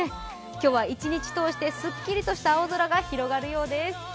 今日は一日通してすっきりとした青空が広がるようです。